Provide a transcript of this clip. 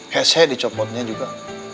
hesheh dicopotnya juga